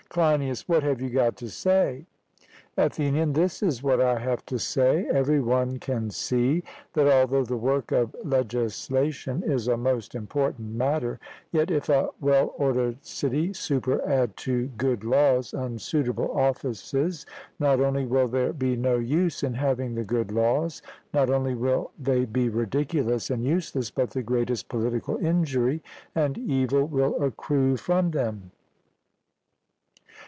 CLEINIAS: What have you got to say? ATHENIAN: This is what I have to say; every one can see, that although the work of legislation is a most important matter, yet if a well ordered city superadd to good laws unsuitable offices, not only will there be no use in having the good laws, not only will they be ridiculous and useless, but the greatest political injury and evil will accrue from them.